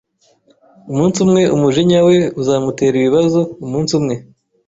Umunsi umwe umujinya we uzamutera ibibazo umunsi umwe.